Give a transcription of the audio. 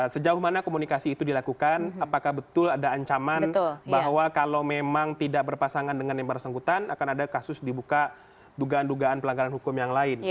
sejauh mana komunikasi itu dilakukan apakah betul ada ancaman bahwa kalau memang tidak berpasangan dengan yang bersangkutan akan ada kasus dibuka dugaan dugaan pelanggaran hukum yang lain